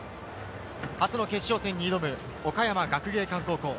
初の決勝戦に挑む岡山学芸館高校。